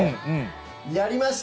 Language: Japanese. やりました。